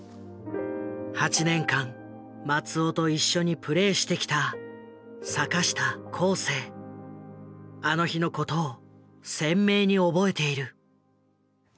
８年間松尾と一緒にプレーしてきたあの日のことを鮮明に覚えている。